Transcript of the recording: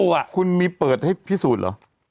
มันต้องมีเปิดให้พิสูจน์หรอ